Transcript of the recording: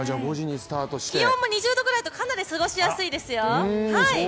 気温も２０度ぐらいとかなり過ごしやすいですよ。